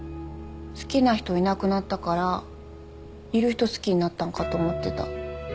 好きな人いなくなったからいる人好きになったのかと思ってた。